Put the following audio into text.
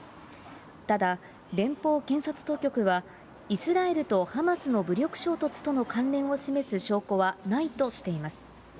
ただ、連邦検察当局は、イスラエルとハマスの武力衝突との関連を示す証拠はないとしています。